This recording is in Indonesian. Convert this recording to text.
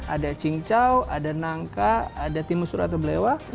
ada cincau ada nangka ada timusur atau belewah